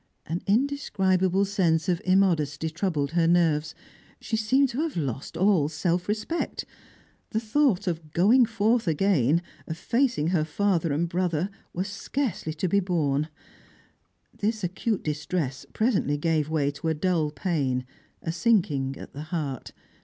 An indescribable sense of immodesty troubled her nerves: she seemed to have lost all self respect: the thought of going forth again, of facing her father and brother, was scarcely to be borne. This acute distress presently gave way to a dull pain, a sinking at the heart.